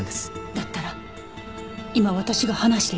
だったら今私が話していたのは？